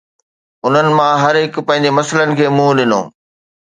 انهن مان هر هڪ پنهنجي مسئلن کي منهن ڏنو.